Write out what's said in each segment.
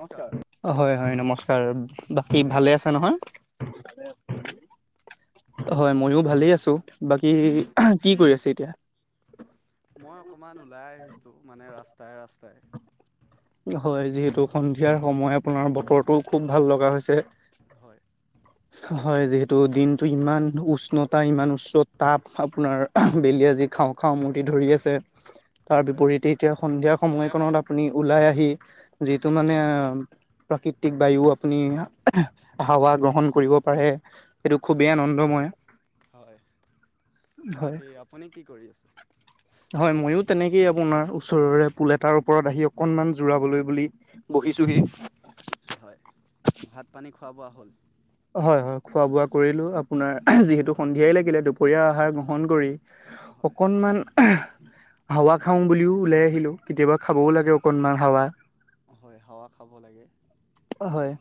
নমস্কাৰ! হয়, হয়, নমস্কাৰ! বাকী ভালে আছে নহয়? আপুনি হয়, মইয়ো ভালেই আছোঁ। বাকী কি কৰি আছে এতিয়া? মই অকমান ওলাই আহিছোঁ। মানে, ৰাস্তাই, ৰাস্তাই। হয়। যিহেতু, সন্ধিয়াৰ সময় আপোনাৰ, বতৰটো খুব ভাল লগা হৈছে। হয় হয়। যিহেতু, দিনটো ইমান উষ্ণতা, ইমান উচ্চ তাপ আপোনাৰ বেলিয়ে আজি খাওঁ, খাওঁ, মূৰ্তি ধৰি আছে। তাৰ হয় বিপৰীতে, এতিয়া সন্ধিয়া সময় কনত আপুনি ওলাই আহি যিটো মানে, প্ৰাকৃতিক বায়ু, আপুনি, হাৱা গ্ৰহণ কৰিব পাৰে। সেইটো খুবেই হয় আনন্দময়। অ'! হয় কি আপুনি কি কৰি আছে? হয়। মইয়ো, তেনেকেই আপোনাৰ, ওচৰৰে পুল এটাৰ ওপৰত আহি অকনমান জোৰাবলৈ বুলি বহিচোহি। হয় ভাত পানী খোৱা বোৱা হ'ল? হয়, হয়। খোৱা বোৱা কৰিলোঁ। আপোনাৰ যিহেতু, সন্ধিয়াই লাগিলে, দুপৰীয়া আহাৰ গ্ৰহণ কৰি হয় অকনমান [unintelligible] হাৱা খাওঁ বুলিও ওলাই আহিলোঁ। কেতিয়াবা খাবওঁ লাগে অকনমান হাৱা। হয়। হাৱা খাব লাগে! হয়, হয়।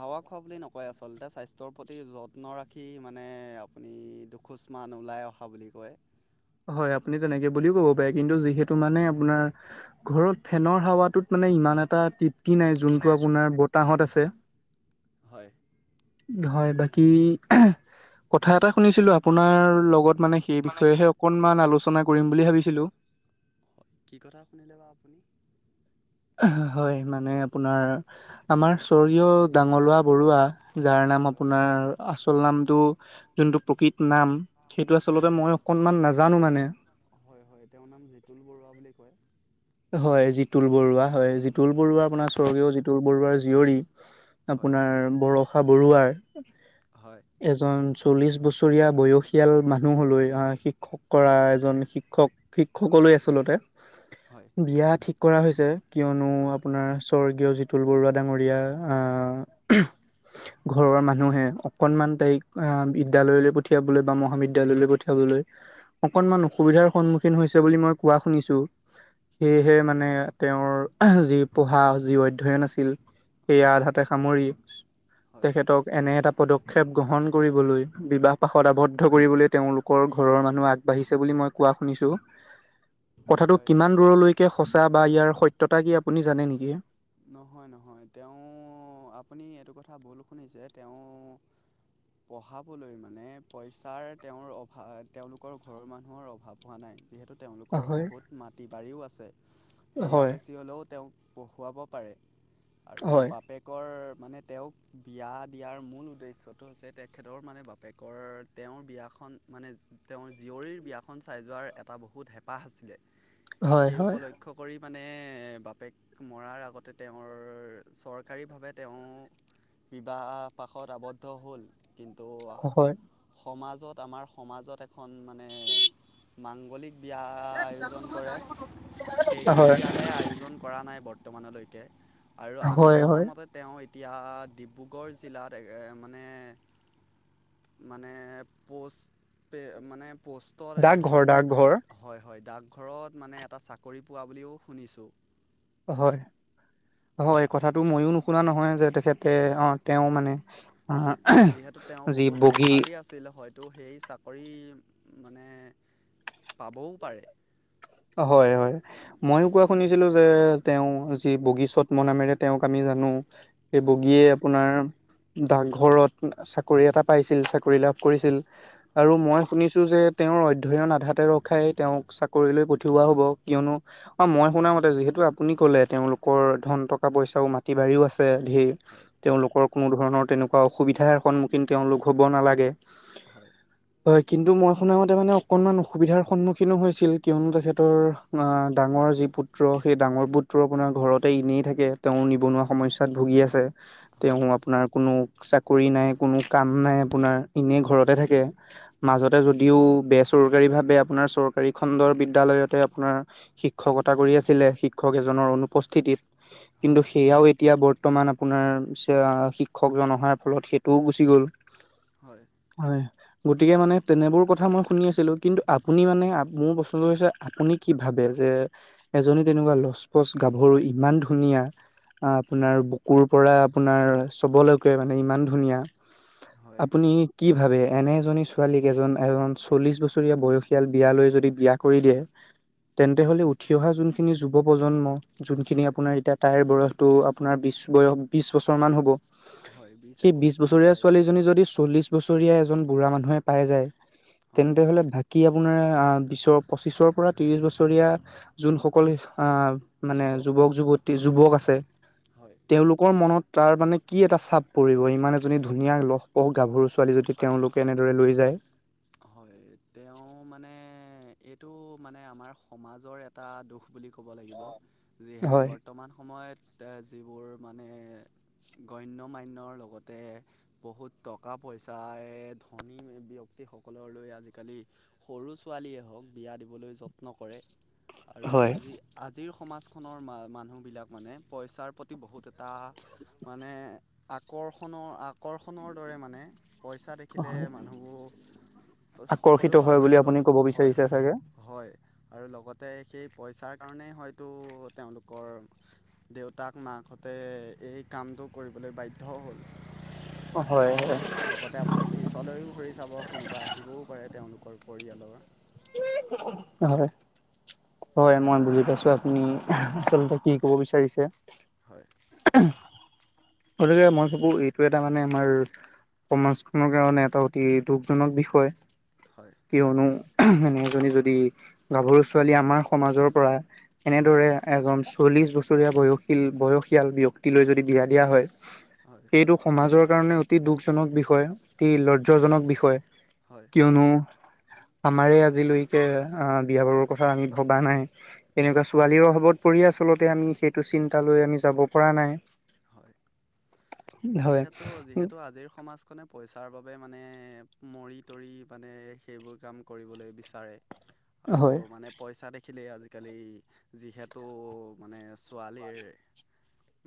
হাৱা খোৱা বুলি নকয় আচলতে! স্বাস্থ্যৰ প্ৰতি যত্ন ৰাখি মানে, আপুনি দুখোজ মান ওলাই অহা বুলি কয়। হয়। আপুনি তেনেকে বুলিও ক'ব পাৰে। কিন্তু যিহেতু মানে, আপোনাৰ ঘৰত ফেনৰ হাৱাটোত মানে ই ইমান এটা তৃপ্তি নাই। যোনটো, আপোনাৰ বতাহত আছে। হয়! হয়, বাকী কথা এটা শুনিছিলোঁ আপোনাৰ লগত মানে সেই বিষয়েহে অকনমান আলোচনা কৰিম বুলি ভাবিছিলোঁ। কি কথা শুনিলে বা আপুনি? হয়। মানে, আপোনাৰ আমাৰ স্বৰ্গীয় ডাঙলোৱা বৰুৱা যাৰ নাম হয় আপোনাৰ আচল নামটো, যোনটো প্ৰকৃত নাম। সেইটো, হয় আচলতে মই অকনমান নাজানোঁ মানে। হয়, হয়। তেওঁৰ নাম জিতুল বৰুৱা বুলি কয়। হয় জিতুল বৰুৱা হয়, জিতুল বৰুৱা আপোনাৰ, স্বৰ্গীয় জিতুল বৰুৱাৰ জীয়ৰী হয় আপোনাৰ বৰ বৰষা বৰুৱাৰ, হয় এজন চল্লিশ বছৰীয়া বয়সীয়াল মানুহলৈ আঁ শিক্ষক কৰা এজন, শিক্ষক, শিক্ষক কলৈ আচলতে হয় বিয়া থিক কৰা হৈছে। কিয়নো হয় আপোনাৰ স্বৰ্গীয় জিতুল বৰুৱা ডাঙৰীয়া আঁ ঘৰৰ মানুহে অকনমান তাইক, আঁ বিদ্যালয়লৈ পঠিয়াবলৈ বা মহাবিদ্যয়ালয়লৈ পঠিয়া হ'বলৈ অকনমান অসুবিধাৰ সন্মুখীন হৈছে বুলি মই কোৱা শুনিছোঁ। সেয়েহে মানে তেওঁৰ যি পঢ়া যি অধ্যয়ন আছিল সেইয়া হয় আধাতে সামৰি হয় তেখেতক এনে এটা পদক্ষেপ গ্ৰহণ কৰিবলৈ বিবাহ পাশত হয় আৱদ্ধ কৰিবলৈ তেওঁলোকৰ ঘৰৰ মানুহ আগবাঢ়িছে বুলি মই কোৱা শুনিছো। কথাটো হয় কিমান দূৰলৈকে সঁচা বা ইয়াৰ সত্যতা কি আপুনি জানে নেকি? নহয় নহয়। তেওঁ আপুনি এইটো কথা ভুল শুনিছে। তেওঁ পঢ়াবলৈ মানে পইচাৰ তেওঁৰ অভাৱ তেওঁলোকৰ ঘৰৰ মানুহৰ অভাৱ হোৱা নাই। যিহেতু তেওঁলোকৰ হয় বহুত মাটি বাৰীও আছে সেয়া হয় বেছি হ'লেও তেওঁক পঢ়ুৱাব পাৰে আৰু হয় বাপেকৰ মানে তেওঁক বিয়া দিয়াৰ মূল উদ্দেশ্যটো হৈছে তেখেতৰ মানে বাপেকৰ তেওঁৰ বিয়াখন মানে তেওঁৰ জীয়ৰীৰ বিয়াখন চাই যোৱাৰ এটা বহুত হেঁপাহ আছিলে। হয় সেই উপলক্ষ কৰি মানে বাপেক মৰাৰ আগত তেওঁৰ চৰকাৰীভাৱে তেওঁ বিবাহ পাশত আৱদ্ধ হ'ল কিন্তু হয় সমাজ ত আমাৰ সমাজত এখন মানে মাংগলিক বিয়া আয়োজন কৰে সেইখন হয় বিয়াহে আয়োজন কৰা নাই বৰ্তমানলৈ। কে আৰু আমি হয় হয় জনামতে তেওঁ এতিয়া ডিব্ৰুগড় জিলাত মানে মানে পষ্ট মানে পোষ্টৰ ডাকঘৰ এখন ডাকঘৰ। হয় হয় দাগ। ঘৰত মানে এটা চাকৰি পোৱা বুলিও শুনিছোঁ। হয় হয় আৰু কথাটো ময়ো নুশুনা নহয় যে তেখেতে অ তেওঁ মানে আহ যিহেতু তেওঁ যি বহুত বগী মেধাবী আছিলে হয় ত' সেই চাকৰি মানে পাবও পাৰে। হয় হয় ময়ো কোৱা শুনিছিলো যে তেওঁ যি বগীচত্ম নামেৰে তেওঁক আমি জানো এই হয় বগীয়ে আপোনাৰ ডাকঘৰত চাকৰি এটা পাইছিল চাকৰি লাভ কৰিছিল আৰু হয় মই শুনিছো যে। তেওঁৰ অধ্যয়ন আধাতে ৰখাই তেওঁক চাকৰিলৈ পঠোৱা হ'ব কিয়নো অ মই শুনা মতে যিহেতু আপুনি কলে তেওঁলোকৰ ধন টকা পইচাও মাতি বা ৰীও আছে ঢেৰ হয় হয় তেওঁলোকৰ কোনো ধৰনৰ অসুবিধাৰ সন্মুখীন তেওঁলোক হ'ব নালাগে। হয় হয় কিন্তু মই শুনা মতে মানে অকনমান অসুবিধাৰ সন্মুখীনো হৈছিল কিয়নো তেখেত ৰ ডাঙৰ যি পুত্ৰ সেই ডাঙৰ পুত্ৰ আপোনাৰ ঘৰতে এনেই থাকে তেওঁ নিবনুৱা সম সমস্যাত ভুগি আছে। হয় তেওঁৰ আপোনাৰ কোনো চাকৰি নাই, কোনো কাম নাই আপোনাৰ এনে ঘৰতে থাকে হয় হয় মাজতে যদিও বেচৰকাৰী ভাৱে আপোনাৰ চৰকাৰী খণ্ডৰ বিদ্যালয়ত আপোনাৰ শিক্ষকতা কৰি আছিলে শিক্ষক এজনৰ অনুপস্থিতিত। কিন্তু হয় সেয়াও এতিয়া এয়া বৰ্তমান আপোনাৰ শিক্ষকজন অহাৰ ফলত সেইটোও গুচি গ'ল। হয়। গতিকে মানে তেনেবোৰ কথা মই শুনি আছিলো। কিন্তু আপুনি মানে মোৰ বস্তুটো হৈছে। আপুনি কি ভাবে যে এজনী তেনেকুৱা লচপচ গাভৰু ইমান ধুনীয়া অ আপোনাৰ বুকুৰ পৰা আপোনাৰ চবলৈকে মানে ইমান ধুনীয়া। হয় হয় আপুনি কি ভাবে এনে এজনী ছোৱালীক এজন এজন চল্লিশ বছৰীয়া বয়সীয়াল বিয়ালৈ য যদি বিয়া কৰি দিয়ে। তেন্তে হলে উঠি অহা যোনখিনি যুৱ প্ৰজন্ম যোনখিনি হয় আপোনাৰ এতিয়া তাইৰ বয়সটো আপোনাৰ বিশ বয়স বিশ বছৰমান হ'ব। হয় সেই বিছ একৈছমান বছৰীয়া প্ৰায় ছোৱালীজনী যদি চল্লিশ বছৰীয়া এজন বুঢ়া মানুহে পাই যায়। হয় তেন্তে হলে বাকী আপোনাৰ বিছৰ পঁচিছৰ বিছৰ পৰা ত্ৰিচ বছৰীয়া যোনসকল মানে যুৱক যুবক যুবতি যুৱক আছে। হয় তেওঁলোকৰ মনত তাৰ মানে কি এটা চাপ পৰিব ইমান এজনী ধুনীয়া লহপহ গাভৰু চ ছোৱালী যদি তেওঁলোকে এনেদৰে লৈ যায়। হয় তেওঁ মানে এই। [unintelligible] এইটো মানে আমাৰ সমাজৰ এটা দোষ বুলি ক'ব লাগিব। যিহেতু হয় বৰ্তমান সময়ত যিবোৰ মানে। গণ্য মানয়ৰ লগতে বহুত টকা পইচাৰে ধনী ব্যক্তিৰ। সকল লৈ আজিকালি সৰু ছোৱালীয়ে হওক বিয়া দিবলৈ যত্ন কৰে। আৰু হয় আজি- আজিৰ সমাজ। মানুহবিলাক মানে পইচাৰ প্ৰতি বহুত এটা মানে আকৰ্ষণ। আকৰ্ষণৰ দৰে মানে পইচা দেখিলে মানুহবোৰ। সকলো আকৰ্ষিত হয় পাহৰি বুলি যোৱা আপুনি ক'ব হয় বিচাৰিছে হয় চাগে। হয় আৰু লগতে সেই পইচাৰ কাৰণেই হয়তো তেওঁলোকৰ। দেউতাক মাকঁতে এই কামটো কৰিবলৈ বাধ্যও হ'ল। হয় হয় লগতে আপুনি পিছলৈও ঘুৰি চাব কোনোবা আহিবও পাৰে। তেওঁলোকৰ পৰিয়ালৰ হয় হয়, মই বুজি পাইছো, আপুনি আচলতে কি কব বিচাৰিছে? হয় গতিকে মই ভাবো, এইটো এটা মানে আমাৰ সমাজখনৰ কাৰণে এটা অতি দুখজনক বিষয়। হয় কিয়নো, এনে এজনী যদি গাভৰু ছোৱালী আমাৰ সমাজৰ পৰা হয় এনেদৰে এজন চল্লিশ বছৰীয়া বয়সী- বয়সীয়াল ব্যক্তিলৈ যদি, বিয়া দিয়া হয় হয় সেইটো সমাজৰ কাৰণে অতি দুখজনক বিষয়, অতি হয় লজ্জাজক বিষয়। হয় কিয়নো আমাৰে আজিলৈকে, অ, বিয়া-বাৰুৰ কথা আমি ভবা নাই। এনেকুৱা হয় ছোৱালীও বহুত সেই আচলতে আমি, সেইটো চিন্তা লৈ আমি যাব পৰা নাই। হয় যিহেতু-যিহেতু, আজিৰ সমাজখনে পইচাৰ বাবে বাবে মানে, মৰি-তৰি মানে সেইবোৰ কাম কৰিবলৈ বিচাৰে। আৰু হয় মানে পইচা দেখি দেখিলে আজিকালি, যিহেতু মানে ছোৱালীৰ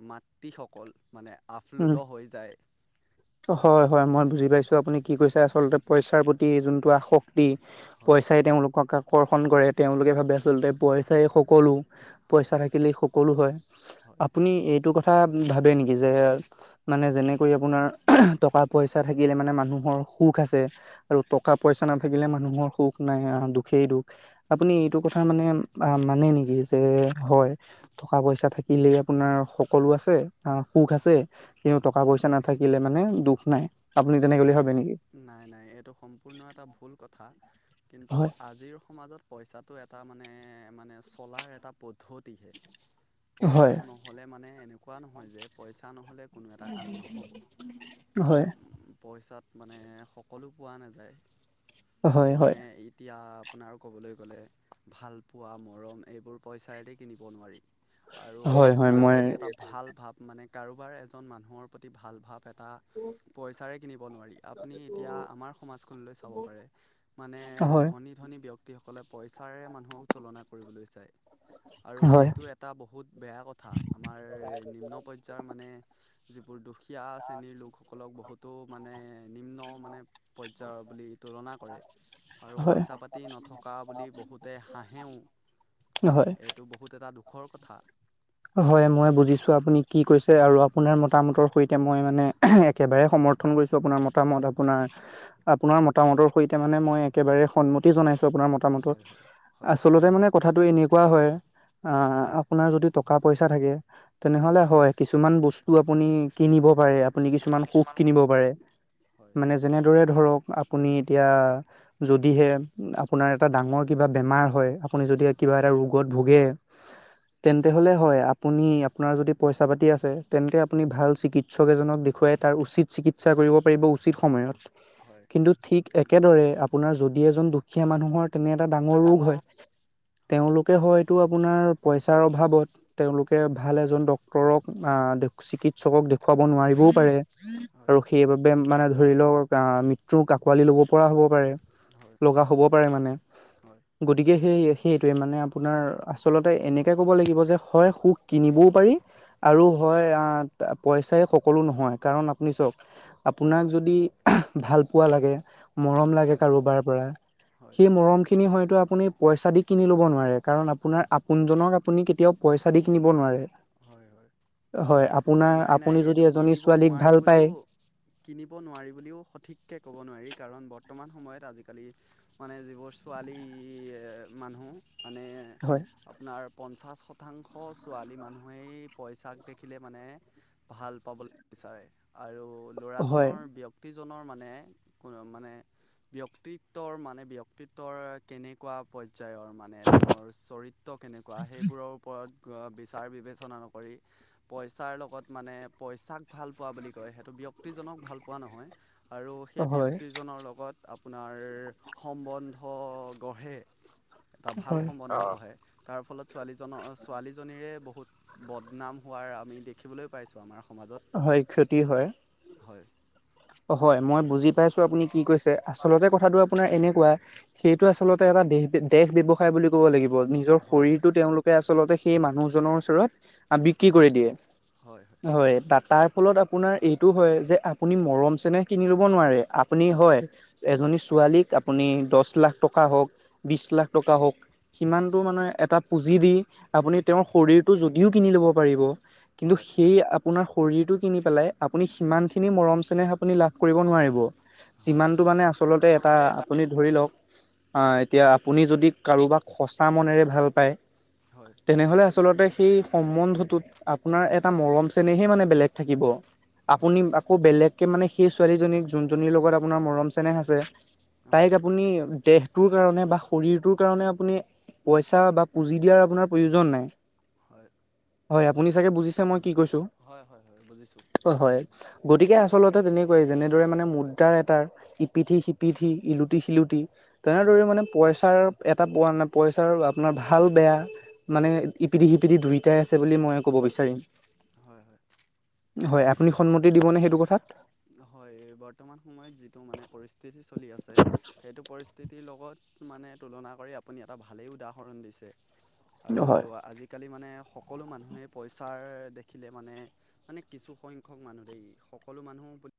মাতৃসকল, মানে আফ্লুত হৈ যায় হয়-হয় মই বুজি পাইছো, আপুনি কি কৈছে আচলতে পইচাৰ প্ৰতি যোনটো আসক্তি হয় পইচাই তেওঁলোকক আকৰ্ষণ কৰে। তেওঁলোকে ভাবে আচলতে পইচাই সকলো হয় পইচা থাকিলে স কলো হয়, হয় আপুনি এইটো কথা ভাবে নেকি যে, মানে যেনেকৈ আপোনাৰ টকা পইচা থাকিলে মানে মানুহৰ সুখ আছে, আৰু টকা পইচা নাথাকিলে মানুহৰ সুখ নহয়, দুখেই-দুখ, আপুনি এইটো কথা মানে মানে নেকি যে হয় টকা-পইচা থাকিলেই আপোনাৰ সকলো আছে, সুখ আছে, ক টকা পইচা নাথাকিলে থাকিলে মানে দুখ নাই, আপুনি তেনেকে বুলি ভাবে নেকি? নাই-নাই, এইটো সম্পূৰ্ণ এটা ভুল কথা, কিন্তু হয় আজিৰ সমাজত পইচা তাতো এটা মানে-মানে চলাৰ এটা পদ্ধতিহে হয় পইচাটো নহলে মানে, এনেকুৱা নহয় যে, পইচা নহলে কোনো এটা কাম নহ'ব, হয় পইচাত মানে সকলো পোৱা নাযায়, হয় হয় মানে এতিয়া আপোনাৰ ক'বলৈ গ'লে, ভালপোৱা, মৰম এইবোৰ পইচায়ে দি কিনিব নোৱাৰি। আৰু হয় হয় আপোনাৰ মই প্ৰতি এটা ভাল ভাব, মানে কাৰোবাৰ এজন মানুহৰ প্ৰতি ভাল ভাৱ এটা এটা পইচাৰে কিনিব নোৱাৰি। কি এতিয়া আমাৰ সমাজখনলৈ চাব পাৰে, মানে হয় ধনী-ধনী ব্যক্তি সকলে পইচা তাৰে মানুহক তুলনা কৰিবলৈ চাই। আৰু হয় সেইটো এটা বহুত বেয়া কথা, আমাৰ নিম্ন পৰ্যায়ৰ মানে যি দুখীয়া শ্ৰেণীৰ লোকসকলক বহুতো মানে নিম্ন মানে পৰ্যায়ৰ বুলি তুলনা কৰে আৰু হয় পইচা-পাতি নথকা বুলি বহ বহুতে হাঁহেও, হয় এইটো বহুত এটা দুখৰ কথা। হয়, মই বুজিছো আপুনি কি কৈছে আৰু আপোনাৰ মতামতৰ সৈতে এতিয়া মই মানে একেবাৰে সমৰ্থন কৰিছো আপোনাৰ মতামত, আপোনাৰ-আপোনাৰ মতামতৰ সৈতে মানে মানে মই একেবাৰে সন্মতি জনাইছো আপোনাৰ হয় মতামতত, হয় হয় আচলতে মানে ধন্যবাদ কথাটো এনেকোৱা হয় আহ, হয় আপোনাৰ যদি টকা-পইচা থাকে, তেনেহলে হয় কিছুমান ব- স্তু আপুনি কিনিব পাৰে, আপুনি কিছুমান সুখ কিনিব পাৰে, হয় মানে যেনেদৰে ধৰক আপুনি এতিয়া, যদিহে আপোনাৰ এটা ডাঙৰ কিবা বেমাৰ হয়, আপুনি যদি কিবা এটা ৰোগত ভোগে তেন্তে হ'লে হয়, আপুনি আপোনাৰ যদি পইচা- পাতি আছে, তেন্তে আপুনি ভাল চি কিৎসক এজনক দেখোৱাই তাৰ উচিত চিকিৎসা কৰিব পাৰিব, উচিত সময়ত। হয় হয় কিন্তু ঠিক একেদৰে আপোনাৰ যদি এজন দুখীয়া মানুহৰ তেনে এটা ডাঙৰ ৰোগ হয়, হয় তেওঁলোকে হয়টো আপোনাৰ পইচাৰ অভাৱত তেওঁলোকে ভাল এজন ডক্তৰক, চিকিৎসকক দেখুৱাব নোৱাৰিবও পাৰে। হয় আৰু সেইবাবে, মানে ধৰি লওক আহ মৃত্যুক আকোৱালি লব পৰা হব পাৰে। হয় লগা হ'ব পাৰে মানে হয় গতিকে সেই সেইটোৱে মানে আপোনাৰ আচলতে এনেকে কব লাগিব যে হয় সুখ কিনি ব‌ও পাৰি আৰু হয় আ পইচাই সকলো নহয়। কাৰণ আপুনি চাওক আপোনাক যদি ভাল পোৱা লাগে মৰম লাগে কাৰোবাৰ পৰা হয় সেই মৰম খিনি হয়তো আপুনি পইচা দি কিনি লব নোৱাৰে, কাৰণ আপোনাৰ আপোনজনক আপুনি কেতিয়াও প‌ইচা দি কিনিব নোৱাৰে। হয় হয় হয় আপোনাৰ নাই আপো নাই এইটো কিনিব নোৱাৰি বুলিও কিনিব নোৱাৰি বুলিও সঠিককৈ ক'ব নোৱাৰি কাৰণ বৰ্তমান সময়ত আজিকালি মানে যিবোৰ ছোৱালী মানুহ মানে হয় আপোনাৰ পঞ্চাছ শতাংশ ছোৱালী মানুহেই পইচাক দেখিলে মানে ভাল পাবলৈ বিচাৰে আৰু হয় ল'ৰাজনৰ ব্যক্তি জনৰ মানে ক মানে ব্যক্তিত্বৰ মানে ব্যক্তিত্বৰ কেনেকোৱা পৰ্যায় পৰ্যায়ৰ মানে তেওঁৰ চৰিত্ৰ কেনেকোৱা সেইবোৰৰ ওপৰত বিচাৰ বিবেচনা নকৰি পইচাৰ লগত মানে পইচাক ভাল পোৱা বুলি কয় সেইটো ব্যক্তিজনক ভাল পোৱা নহয়। আৰু সেই হয় ব্যক্তিজনৰ লগত আপোনাৰ সম্বন্ধ গঢ়ে। এটা ভাল হয় সম্বন্ধ গঢ়ে, তাৰ ফলত ছোৱালীজন ছোৱালীজনীৰে বহুত বদনাম হোৱাৰ আমি দেখিবলৈ পাইছোঁ আমাৰ সমাজত হয় ক্ষতি হয় হয় হয় মই বুজি পাইছো আপুনি কি কৈছে। আচলতে কথাটো আপোনাৰ এনেকোৱা সেইটো আচলতে এটা দেহ দেহ ব্যৱসায় বুলি ক'ব লাগিব নিজৰ হয় হয় শৰীৰটো তেওঁলোকে আচলতে সেই মানুহজনৰ ওচৰত বিক্ৰী কৰি দিয়ে। হয় হয় তা তাৰ ফলত আপোনাৰ এইটো হয় যে আপুনি মৰম চেনেহ কিনি লব নোৱাৰে আপুনি হয় এজনী ছোৱালীক আপুনি দহ লাখ টকা হওক বিশ লাখ টকা হওক হয় সিমানটো মানে এটা পুঁজি দি আপুনি তেওঁৰ শৰীৰটো যদিও কিনি ল ব পাৰিব, কিন্তু হয় সি আপোনাৰ শৰীৰটো কিনি পেলাই আপোনি সিমান খিনি মৰম চেনেহ আপুনি লাভ কৰিব নোৱাৰিব। হয় হয় যিমানটো মানে আচলতে এটা আপুনি ধৰি লওক অ এতিয়া আপুনি যদি কাৰোবাক সচা মনেৰে ভাল পায়, হয় হয় তেনেহলে আচলতে সেই সম্বন্ধটোত আপোনাৰ এটা মৰম চেনেহে মানে বেলেগ থাকিব। হয় আপুনি আকৌ বেলেগকে মানে সেই ছোৱালীজনীক যোনজনীৰ লগত আপোনাৰ মৰম চেনেহ আছে, তাইক হয় আপুনি দেহটোৰ কাৰণে বা শৰীৰটোৰ কাৰণে আপুনি পইচা বা পুজি দিয়াৰ আপোনাৰ প্ৰয়োজন নাই। হয় হয় আপুনি চাগে বুজিছে মই কি কৈছো হয় হয় হয় বুজিছো। হয় গতিকে আচলতে তেনেকুৱাই যেনেদৰে মানে মুদ্ৰাৰ এটাৰ ইপিঠি সিপিঠি, ইলুটি শিলুটি তেনেদৰে হয় মানে পইচাৰ এটা পোৱা নাই পইচাৰ আপোনাৰ ভাল বেয়া। মানে ইপিধি সিপিধি দুইটাই আছে বুলি মই ক'ব বিচাৰিম। হয় হয় হয় আপুনি সন্মতি দিবনে সেইটো কথা? হয় বৰ্তমান সময়ত যিটো মানে পৰিস্থিতি চলি আছে সেইটো পৰিস্থিতিৰ লগত। [unintelligible] মানে তুলনা কৰি আপুনি এটা ভালেই উদাহৰণ দিছে হয় আজাকালি মানে, সকলো মানুহে পইচাৰ দেখিলে মানে মানে কিছু সংখ্যক মানুহ দেই সকলো মানুহ